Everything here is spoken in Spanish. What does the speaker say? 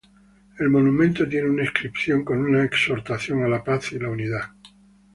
El monumento tiene una inscripción con una exhortación a la paz y la unidad.